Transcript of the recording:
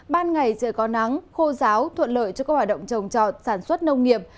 ban ngày trời có nắng khô giáo thuận lợi cho các hoạt động trồng trọt sản xuất nông nghiệp